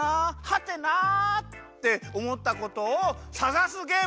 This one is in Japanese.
はてな？」っておもったことをさがすゲームです。